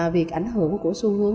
việc ảnh hưởng của xu hướng